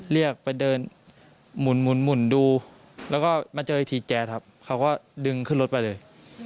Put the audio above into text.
เรียกไปเดินหมุนดูแล้วก็มาเจออีกทีแจ๊สครับเขาก็ดึงขึ้นรถไปเลย